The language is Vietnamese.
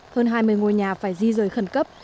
hơn hai mươi ngôi nhà phải di rời khẩn cấp